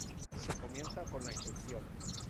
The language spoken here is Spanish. Se comienza con la inducción.